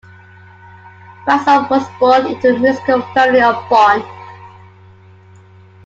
Ries was born into a musical family of Bonn.